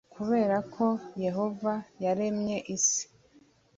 kubera ko yehova yaremye isi